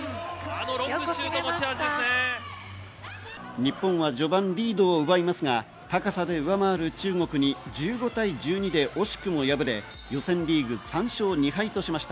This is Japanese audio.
日本は序盤、リードを奪いますが、高さで上回る中国に１５対１２で惜しくも敗れ、予選リーグ、３勝２敗としました。